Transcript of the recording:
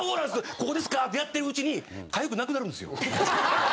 ここですか？ってやってるうちにかゆくなくなるんですよ。